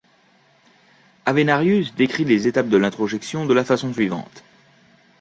Avenarius décrit les étapes de l'introjection de la façon suivante.